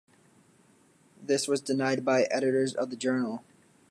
This was denied by editors of the journal.